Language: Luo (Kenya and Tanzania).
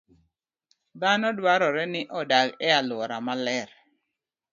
Dhano dwarore ni odag e alwora maler.